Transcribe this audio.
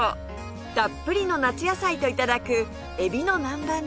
たっぷりの夏野菜と頂くエビの南蛮漬け